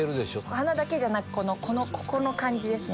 鼻だけじゃなくここの感じですね